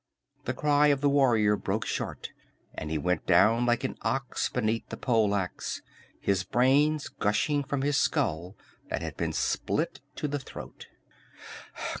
The cry of the warrior broke short and he went down like an ox beneath the pole ax, his brains gushing from his skull that had been split to the throat.